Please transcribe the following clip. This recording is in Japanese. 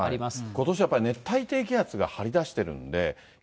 ことしはやっぱり熱帯低気圧が張り出してるんで。